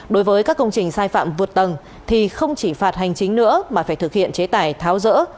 đối với các công trình sai phạm vượt tầng thì không chỉ phạt hành chính nữa mà phải thực hiện chế tài tháo rỡ